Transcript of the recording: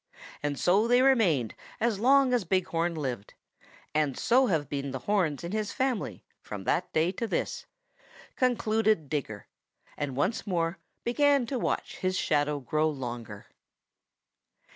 And so they remained as long as Big Horn lived, and just so have been the horns in his family from that day to this," concluded Digger, and once more began to watch his shadow grow longer.